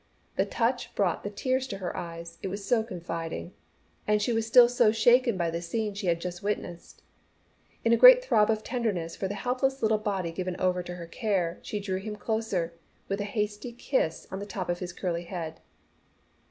The touch brought the tears to her eyes, it was so confiding, and she was still so shaken by the scene she had just witnessed. In a great throb of tenderness for the helpless little body given over to her care, she drew him closer, with a hasty kiss on the top of his curly head.